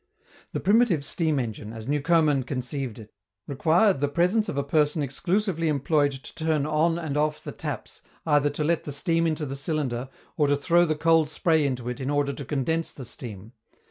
The primitive steam engine, as Newcomen conceived it, required the presence of a person exclusively employed to turn on and off the taps, either to let the steam into the cylinder or to throw the cold spray into it in order to condense the steam.